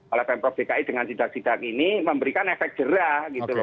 oleh pemprov dki dengan sidak sidak ini memberikan efek jerah gitu loh